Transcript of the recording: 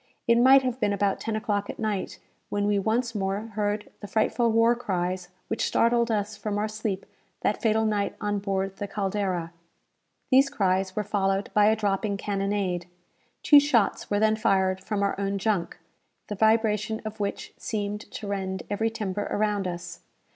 It might have been about ten o'clock at night, when we once more heard the frightful war cries which startled us from our sleep that fatal night on board the "Caldera." These cries were followed by a dropping cannonade. Two shots were then fired from our own junk, the vibration of which seemed to rend every timber around us.